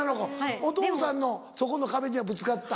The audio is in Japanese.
お父さんのそこの壁にはぶつかった？